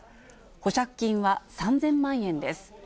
保釈金は３０００万円です。